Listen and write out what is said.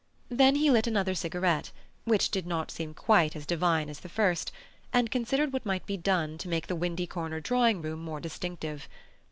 Then he lit another cigarette, which did not seem quite as divine as the first, and considered what might be done to make Windy Corner drawing room more distinctive.